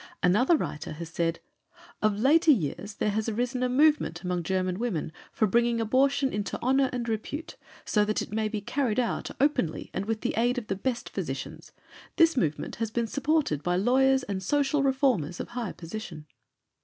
Another writer has said: "Of later years there has arisen a movement among German women for bringing abortion into honor and repute, so that it may be carried out openly and with the aid of the best physicians. This movement has been supported by lawyers and social reformers of high position."